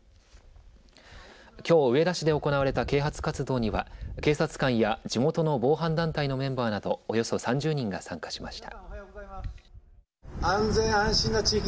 きょう上田市で行われた啓発活動には警察官や地元の防犯団体のメンバーなどおよそ３０人が参加しました。